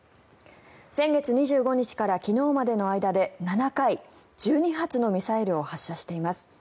先月２５日から昨日までの間で７回１２発のミサイルを発射しています。